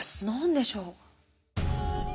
何でしょう？